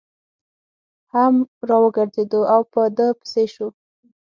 هم را وګرځېد او په ده پسې شو.